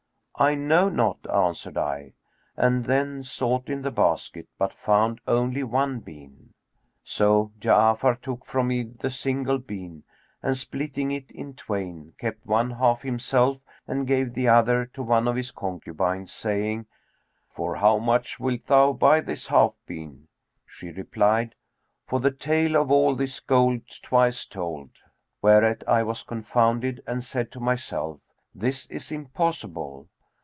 'I know not,' answered I, and then sought in the basket, but found only one bean. So Ja'afar took from me the single bean and, splitting it in twain, kept one half himself and gave the other to one of his concubines, saying, 'For how much wilt thou buy this half bean?' She replied, 'For the tale of all this gold twice told;' whereat I was confounded and said to myself, 'This is impossible.'